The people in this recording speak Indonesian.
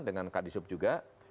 dengan kak disup juga